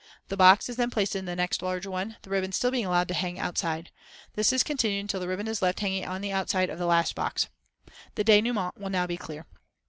The box is then placed in the next larger one, the ribbon still being allowed to hang outside. This is continued until the ribbon is left hanging on the outside of the last box. The denouement will now be clear.